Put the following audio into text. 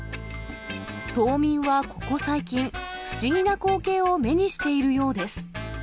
島民はここ最近、不思議な光景を目にしているようです。